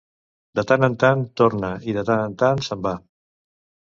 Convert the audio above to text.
De tant en tant, torna i, de tant en tant, se'n va.